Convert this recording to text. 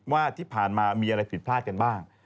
ว่าที่ผ่านมามีอะไรผิดพลาดกันบ้าง